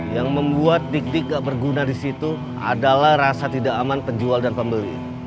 yang membuat dik dik gak berguna di situ adalah rasa tidak aman penjual dan pembeli